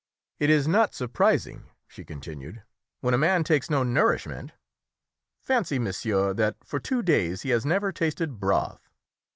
"It is not surprising," she continued, "when a man takes no nourishment. Fancy, monsieur, that for two days he has never tasted broth!"